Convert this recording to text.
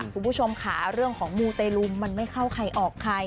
คุณผู้ชมค่ะเรื่องของมูเตลูมมันไม่เข้าใครออกใคร